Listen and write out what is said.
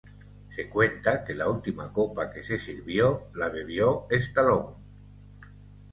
Se cuenta que la última copa que se sirvió la bebió Stallone.